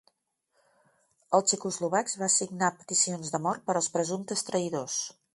Els txecoslovacs va signar peticions de mort per als presumptes traïdors.